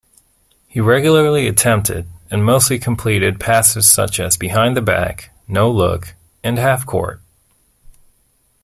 He regularly attempted, and mostly completed passes such as behind-the back, no-look and half-court.